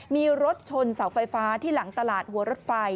มีรถชนเสาไฟฟ้าที่หลังตลาดหัวรถไฟ